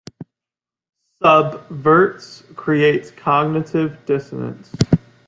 Subverts create cognitive dissonance.